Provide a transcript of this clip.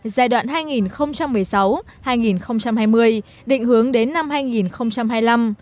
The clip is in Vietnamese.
giai đoạn hai nghìn một mươi sáu hai nghìn hai mươi định hướng đến năm hai nghìn hai mươi năm